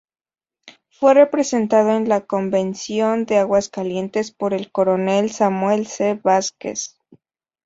Fue representado en la Convención de Aguascalientes por el Coronel Samuel C. Vázquez.